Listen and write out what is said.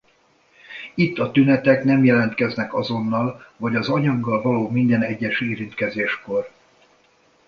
Itt a tünetek nem jelentkeznek azonnal vagy az anyaggal való minden egyes érintkezéskor.